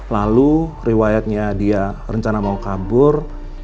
lalu riwayatnya dia rencana mau kabur